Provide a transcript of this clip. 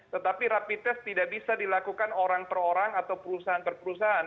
tetapi rapid test tidak bisa dilakukan orang per orang atau perusahaan per perusahaan